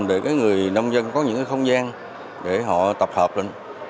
để người nông dân có những cái không gian để họ tập hợp lên